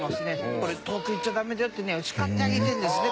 これ遠く行っちゃダメだよって叱ってあげてるんですね